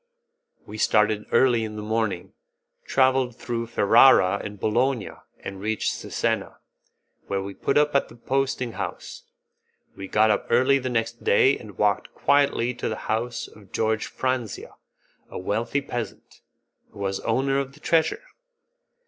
We started early in the morning, travelled through Ferrara and Bologna, and reached Cesena, where we put up at the posting house. We got up early the next day and walked quietly to the house of George Franzia, a wealthy peasant, who was owner of the treasure.